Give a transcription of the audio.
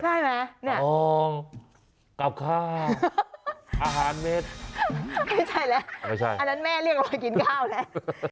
ใช่มั้ยเนี่ยตองกับข้าวอาหารเม็ดไม่ใช่แหละอันนั้นแม่เรียกเรามากินข้าวแหละ